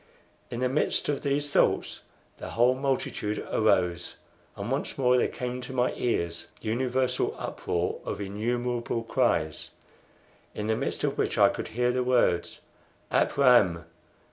In the midst of these thoughts the whole multitude arose; and once more there came to my ears the universal uproar of innumerable cries, in the midst of which I could hear the words, "Ap Ram!"